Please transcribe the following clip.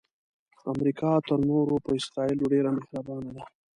امریکا تر نورو په اسراییلو ډیره مهربانه ده.